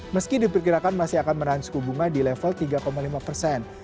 meski diperkirakan masih akan menahan suku bunga di level tiga lima persen